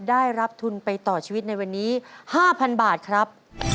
ได้รับทุนไปต่อชีวิตในวันนี้๕๐๐๐บาทครับ